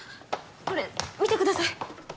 これ見てください。